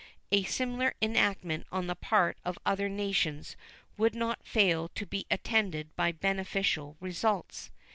A similar enactment on the part of other nations would not fail to be attended by beneficial results.